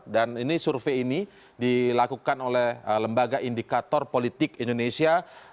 dan ini survei ini dilakukan oleh lembaga indikator politik indonesia